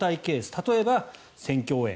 例えば選挙応援